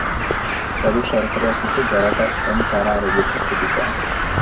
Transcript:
তবে সরকারি অফিসে যাঁরা কাজ করেন তাঁরা আরও বেশি ছুটি পান।